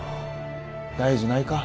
大事ないか？